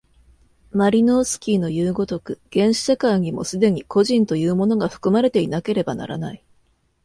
マリノースキイのいう如く、原始社会にも既に個人というものが含まれていなければならない。